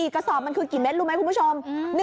กระสอบมันคือกี่เม็ดรู้ไหมคุณผู้ชม